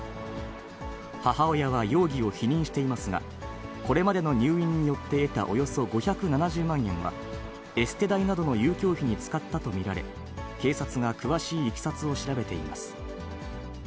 母親は容疑を否認していますが、これまでの入院によって得たおよそ５７０万円は、エステ代などの遊興費に使ったと見られ、警察が詳しいいきさつを調べています。